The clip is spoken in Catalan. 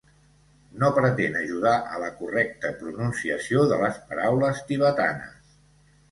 No pretén ajudar a la correcta pronunciació de les paraules tibetanes.